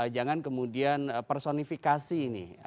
jangan kemudian personifikasi ini